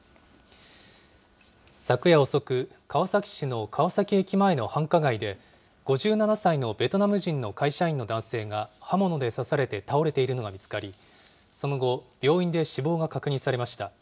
昨夜遅く、川崎市の川崎駅前の繁華街で、５７歳のベトナム人の会社員の男性が刃物で刺されて倒れているのが見つかり、その後、病院で死亡が確認されました。